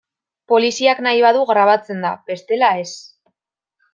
Poliziak nahi badu grabatzen da, bestela ez.